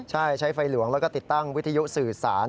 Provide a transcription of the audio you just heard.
ใช่ใช้ไฟหลวงแล้วก็ติดตั้งวิทยุสื่อสาร